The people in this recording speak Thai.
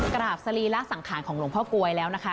กราบสรีระสังขารของหลวงพ่อกลวยแล้วนะคะ